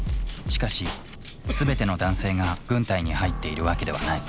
しかし全ての男性が軍隊に入っているわけではない。